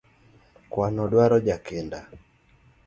Kwano duaro jakinda